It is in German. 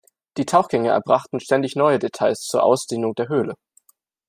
Die Tauchgänge erbrachten ständig neue Details zur Ausdehnung der Höhle.